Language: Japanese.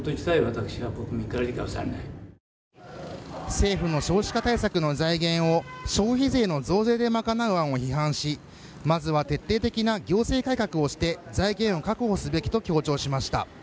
政府の少子化対策の財源を消費税の増税で賄う案を批判しまずは徹底的な行政改革をして財源を確保すべきと強調しました。